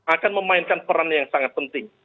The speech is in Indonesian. akan memainkan peran yang sangat penting